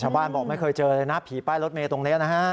บอกไม่เคยเจอเลยนะผีป้ายรถเมย์ตรงนี้นะฮะ